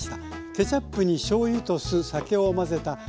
ケチャップにしょうゆと酢酒を混ぜたケチャップだれ。